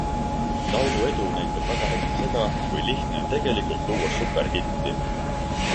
Laulu edu näitab väga hästi seda, kui lihtne on tegelikult luua superhitti.